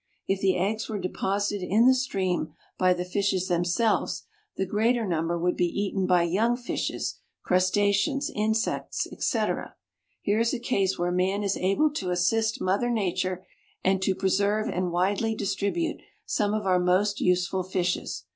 If the eggs were deposited in the stream by the fishes themselves the greater number would be eaten by young fishes, crustaceans, insects, etc. Here is a case where man is able to assist mother nature, and to preserve and widely distribute some of our most useful fishes.